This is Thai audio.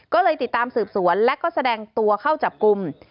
ก็เลยติดตามสืบสวนและก็แสดงตัวเข้าจับกลุ่ม